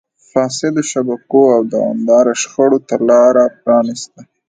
فاسدو شبکو او دوامداره شخړو ته لار پرانیسته.